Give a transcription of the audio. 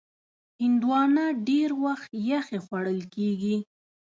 هندوانه ډېر وخت یخې خوړل کېږي.